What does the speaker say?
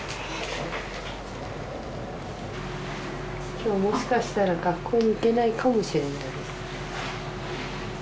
今日もしかしたら学校に行けないかもしれないです。